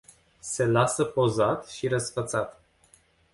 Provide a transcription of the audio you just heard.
Se lasă pozat și răsfățat.